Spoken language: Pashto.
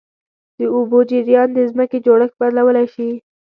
د اوبو جریان د ځمکې جوړښت بدلولی شي.